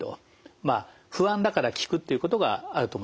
まあ不安だから聞くということがあると思います。